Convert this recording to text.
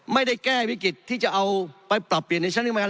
ไม่ได้แก้วิกฤตที่จะเอาไปปรับเปลี่ยนในชั้นเดียวกัน